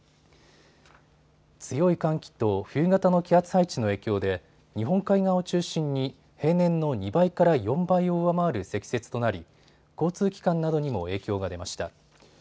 強い寒気と冬型の気圧配置の影響で日本海側を中心に平年の２倍から４倍を上回る積雪となり交通機関などにも影響が出ました。